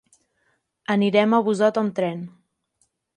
Anirem a Busot amb tren.